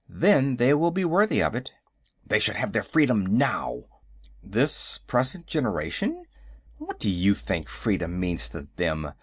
Then they will be worthy of it." "They should have their freedom now." "This present generation? What do you think freedom means to them?